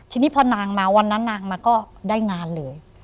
ทีนี้พอนางมาวันนั้นนางมาก็ได้งานเลย